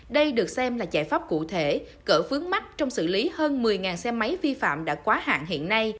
đây được xem là giải pháp cụ thể gỡ vướng mắt trong xử lý hơn một mươi xe máy vi phạm đã quá hạn hiện nay